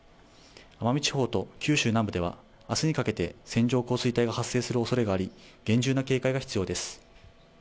奄美地方と九州南部では明日にかけて線状降水帯が発生するおそれがあり厳重な警戒が必要です。